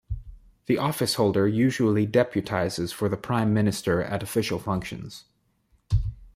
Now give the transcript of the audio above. The officeholder usually deputises for the Prime Minister at official functions.